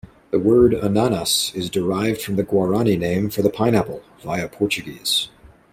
The word "Ananas" is derived from the Guarani name for the pineapple, via Portuguese.